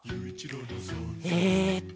えっと